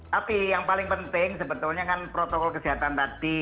tapi yang paling penting sebetulnya kan protokol kesehatan tadi